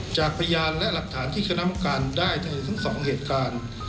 จากพยานและหลักฐานที่คณะกรรมการได้เธอทั้งสองเหตุการณ์